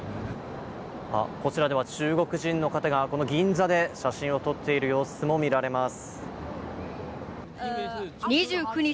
こちらでは中国人の方がこの銀座で写真を撮っている様子も見られます。